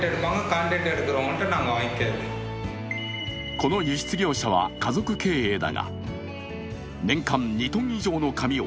この輸出業者は家族経営だが年間２ｔ以上の髪を